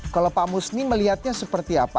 kalau pak musni melihatnya seperti apa